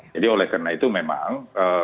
jadi oleh karena itu memang